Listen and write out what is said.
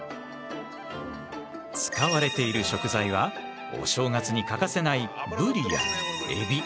使われている食材はお正月に欠かせないブリやえび。